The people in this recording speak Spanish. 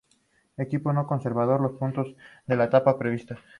Los equipos no conservaron los puntos de las etapas previas.